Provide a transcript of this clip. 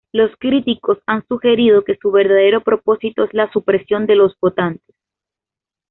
Los críticos han sugerido que su verdadero propósito es la supresión de los votantes.